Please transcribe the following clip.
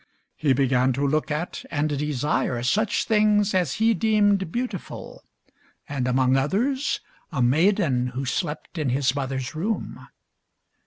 He began to look at and desire such things as he deemed beautiful, and among others a maiden who slept in his mother's room.